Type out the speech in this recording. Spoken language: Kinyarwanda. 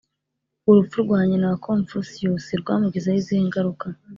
urupfu rwa nyina wa confucius rwamugizeho izihe ngaruka